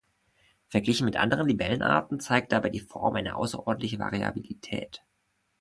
Verglichen mit anderen Libellenarten zeigt dabei die Form eine außerordentliche Variabilität.